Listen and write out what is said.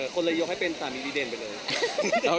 คนละยกให้เป็นตามอินดีเดนไปเลย